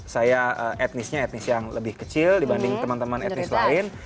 saya etnisnya etnis yang lebih kecil dibanding teman teman etnis lain